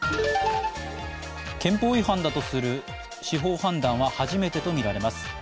憲法違反だとする司法判断は初めてとみられます。